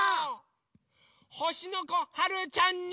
ほしのこはるちゃんに。